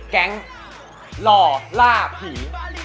แก๊งหล่อล่าผี